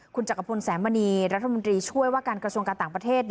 คุณจักรพลแสงมณีรัฐมนตรีช่วยว่าการกระทรวงการต่างประเทศ